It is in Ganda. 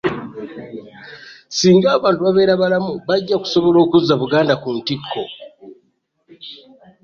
Singa abantu babeera balamu bajja kusobola okuzza Buganda ku ntikko